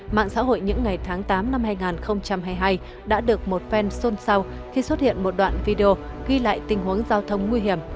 mạng xã hội những ngày tháng tám năm hai nghìn hai mươi hai đã được một fan sau khi xuất hiện một đoạn video ghi lại tình huống giao thông nguy hiểm